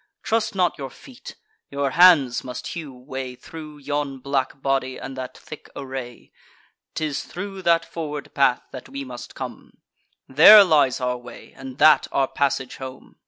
Trust not your feet: your hands must hew way Thro' yon black body, and that thick array: 'Tis thro' that forward path that we must come; There lies our way, and that our passage home.